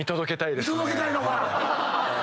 見届けたいのか。